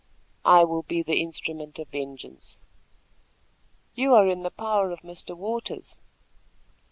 "I will be the instrument of vengeance." "You are in the power of Mr. Waters."